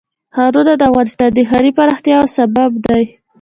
ښارونه د افغانستان د ښاري پراختیا یو سبب دی.